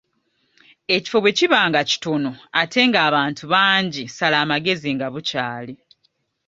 Ekifo bwe kiba nga kitono ate ng’abantu bangi sala amagezi nga bukyali.